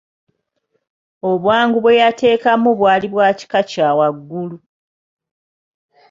Obwangu bwe yateekamu bwali bwa kika kya waggulu.